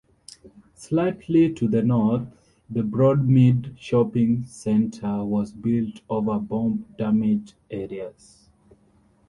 Slightly to the north, the Broadmead shopping centre was built over bomb-damaged areas.